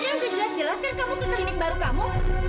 dia yang benar benar jelaskan kamu ke klinik baru kamu